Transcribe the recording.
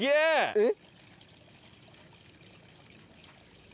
えっ？